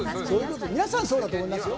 皆さんそうだと思いますよ